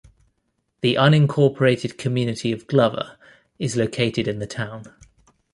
The unincorporated community of Glover is located in the town.